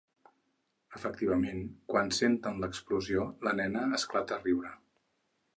Efectivament, quan senten l’explosió la nena esclata a riure.